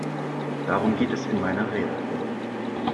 Darum geht es in meiner Rede.